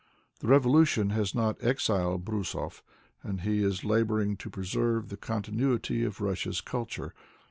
The revolution has not exiled Brusov, and he ia laboring to preserve the continuity of Russia's culture.